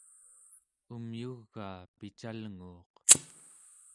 umyugaa picalnguuq